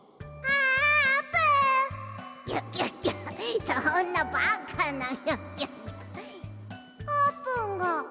あーぷんが。